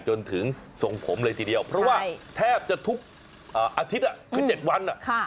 จนถึงทรงผมเลยทีเดียวเพราะว่าแทบจะทุกอาทิตย์คือ๗วัน